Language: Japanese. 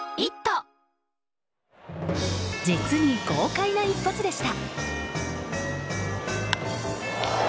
実に豪快な一発でした。